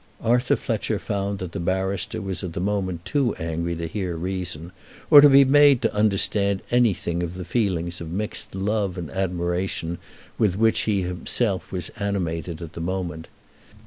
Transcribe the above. Arthur Fletcher found that the barrister was at the moment too angry to hear reason, or to be made to understand anything of the feelings of mixed love and admiration with which he himself was animated at the moment.